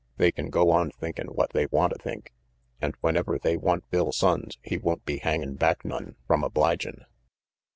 They can go on thinkin' what they wanta think, and whenever they want Bill Sonnes he won't be hangin' back none from obligin'."